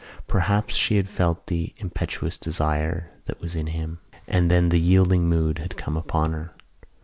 Perhaps she had felt the impetuous desire that was in him, and then the yielding mood had come upon her.